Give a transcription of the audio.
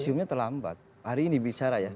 museumnya terlambat hari ini bicara ya